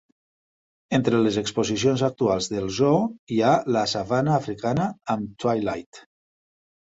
Entre les exposicions actuals del zoo hi ha la Savannah africana a Twilight.